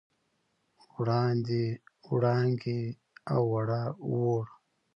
وړاندې، وړانګې، اووړه، وړ